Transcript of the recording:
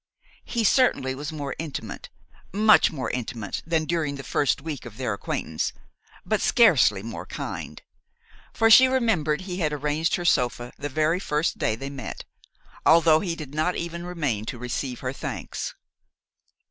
He certainly was more intimate, much more intimate, than during the first week of their acquaintance, but scarcely more kind; for she remembered he had arranged her sofa the very first day they met, though he did not even remain to receive her thanks.